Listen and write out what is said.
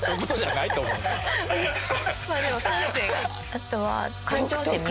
あとは。